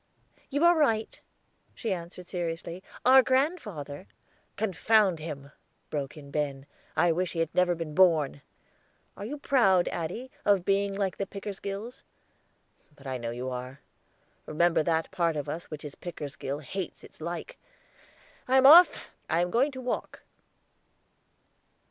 "You are right," she answered seriously. "Our grandfather " "Confound him!" broke in Ben. "I wish he had never been born. Are you proud, Addie, of being like the Pickersgills? But I know you are. Remember that the part of us which is Pickersgill hates its like. I am off; I am going to walk."